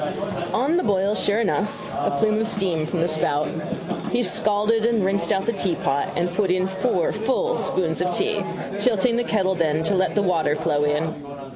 On the boil sure enough: a plume of steam from the spout. He scalded and rinsed out the teapot and put in four full spoons of tea, tilting the kettle then to let the water flow in.